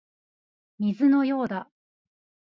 水のようだ